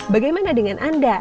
bagaimana dengan anda